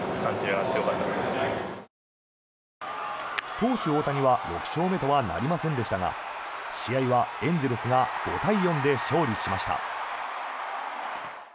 投手・大谷は６勝目とはなりませんでしたが試合はエンゼルスが５対４で勝利しました。